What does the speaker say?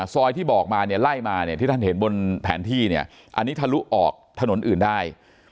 ซอยที่บอกมาไล่มาที่ท่านเห็นบนแผนที่อันนี้ทะลุออกถนนอื่นได้